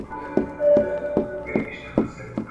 له بېلتونه به ژوندون راته سور اور سي `